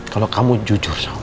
kalau kamu jujur sama papa